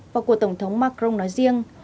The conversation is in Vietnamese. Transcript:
và của tổng thống macron nói riêng